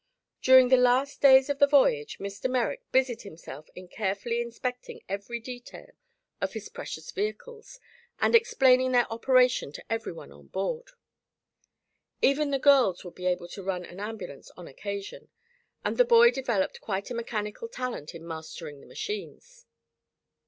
During the last days of the voyage Mr. Merrick busied himself in carefully inspecting every detail of his precious vehicles and explaining their operation to everyone on board. Even the girls would be able to run an ambulance on occasion, and the boy developed quite a mechanical talent in mastering the machines.